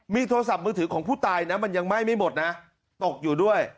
มีโทรศัพท์มือถือของผู้ตายนะมันยังไหม้ไม่หมดนะตกอยู่ด้วย